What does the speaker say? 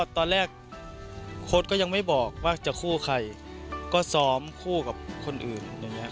ตอนแรกโค้ดก็ยังไม่บอกว่าจะคู่ใครก็ซ้อมคู่กับคนอื่นอย่างนี้